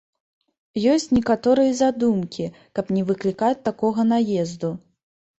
Ёсць некаторыя задумкі, каб не выклікаць такога наезду.